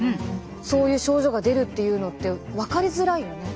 そういう症状が出るっていうのって分かりづらいよね。